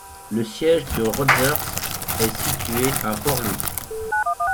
Le siège de Rogers est situé à Port-Louis.